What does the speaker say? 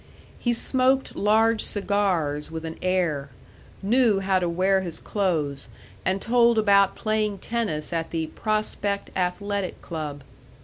He smoked large cigars with an air, knew how to wear his clothes, and told about playing tennis at the Prospect Athletic Club.